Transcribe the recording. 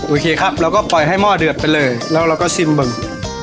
โอเคครับเราก็ปล่อยให้หม้อเดือดไปเลยแล้วเราก็ชิมบึง